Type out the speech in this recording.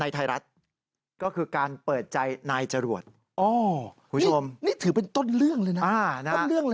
ท้อนหายใจเลยเหรอ